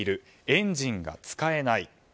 エンジンが使えない。